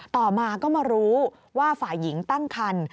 ต่อมาก็มารู้ว่าฝ่ายหญิงตั้งคัน